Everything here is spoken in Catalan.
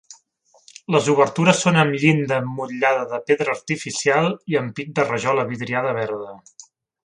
Les obertures són amb llinda emmotllada de pedra artificial i ampit de rajola vidriada verda.